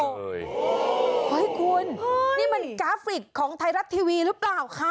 เฮ้ยคุณนี่มันกราฟิกของไทยรัฐทีวีหรือเปล่าคะ